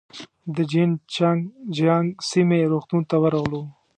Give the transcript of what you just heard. د جين چنګ جيانګ سیمې روغتون ته ورغلو.